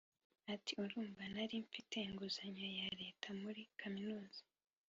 Ati Urumva nari mfite inguzanyo ya Leta muri kaminuza